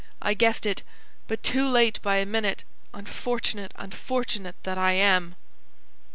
I guessed it! But too late by a minute, unfortunate, unfortunate that I am!"